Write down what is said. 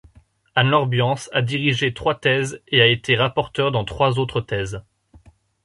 Anne-Laure Biance a dirigé trois thèses et a été rapporteur dans trois autres thèses.